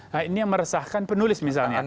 nah ini yang meresahkan penulis misalnya